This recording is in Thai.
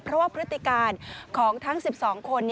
เพราะว่าพฤติการของทั้ง๑๒คน